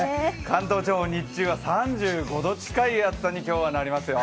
関東地方、日中は３５度近い暑さに今日はなりますよ。